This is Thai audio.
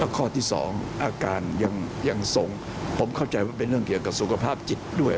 ข้อที่๒อาการยังทรงผมเข้าใจว่าเป็นเรื่องเกี่ยวกับสุขภาพจิตด้วย